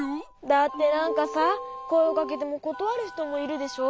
だってなんかさこえをかけてもことわるひともいるでしょ？